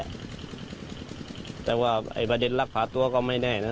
แหละแต่ว่าไอ้บาเดชน์รับขวาตัวก็ไม่แน่นะ